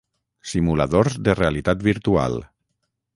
simuladors de realitat virtual